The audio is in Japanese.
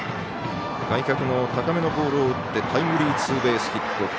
外角の高めのボールを打ってタイムリーツーベースヒット。